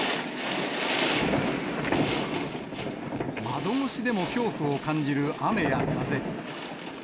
窓越しでも恐怖を感じる雨や風。